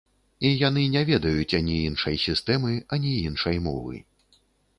І яны не ведаюць ані іншай сістэмы, ані іншай мовы.